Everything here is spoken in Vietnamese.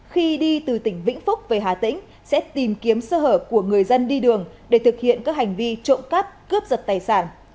khi đi từ tỉnh vĩnh phúc về hà tĩnh sẽ tìm kiếm sơ hở của người dân đi đường để thực hiện các hành vi trộm cắp cướp giật tài sản